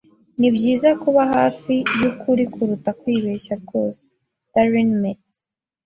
Nibyiza kuba hafi yukuri kuruta kwibeshya rwose. (darinmex)